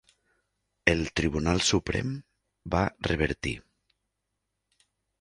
El Tribunal Suprem va revertir.